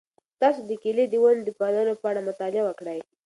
تاسو د کیلې د ونو د پاللو په اړه مطالعه وکړئ.